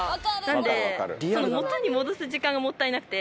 なので元に戻す時間がもったいなくて。